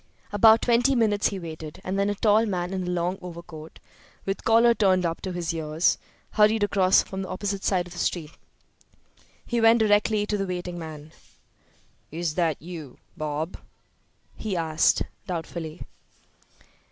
About twenty minutes he waited, and then a tall man in a long overcoat, with collar turned up to his ears, hurried across from the opposite side of the street. He went directly to the waiting man. "Is that you, Bob?" he asked, doubtfully.